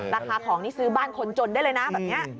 ราคาของนี่ซื้อบ้านคนจนได้เลยนะแบบนี้